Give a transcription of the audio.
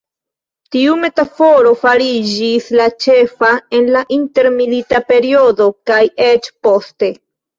Tiu metaforo fariĝis la ĉefa en la intermilita periodo kaj eĉ poste.